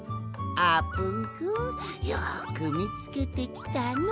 あーぷんくんよくみつけてきたの。